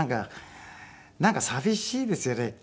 なんか寂しいですよね。